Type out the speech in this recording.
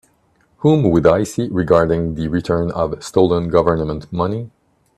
Whom would I see regarding the return of stolen Government money?